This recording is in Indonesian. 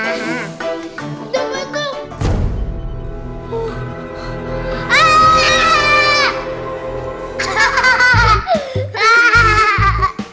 yang nomor dua tuh